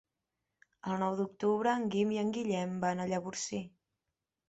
El nou d'octubre en Guim i en Guillem van a Llavorsí.